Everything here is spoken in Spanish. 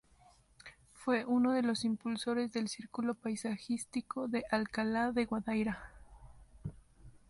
Fue uno de los impulsores del círculo paisajístico de Alcalá de Guadaíra.